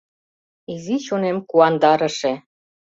Изи чонем куандарыше